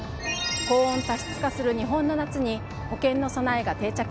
高温多湿化する日本の夏に保険の備えが定着？